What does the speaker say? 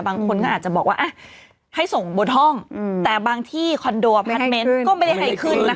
บางคนก็อาจจะบอกว่าให้ส่งบนห้องแต่บางที่คอนโดอพาร์ทเมนต์ก็ไม่ได้ให้ขึ้นนะคะ